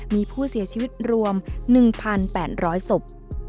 มีผู้เสียชีวิตรวม๑๘๐๐ศพ